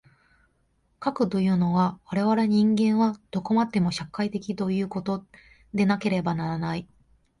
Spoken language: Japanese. かくいうのは、我々人間はどこまでも社会的ということでなければならない。